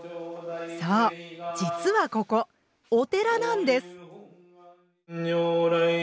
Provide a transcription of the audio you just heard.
そう実はここお寺なんです！